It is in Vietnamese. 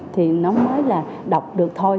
thì nó mới là đọc được thôi